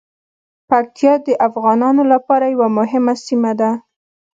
پکتیا د افغانانو لپاره یوه مهمه سیمه ده.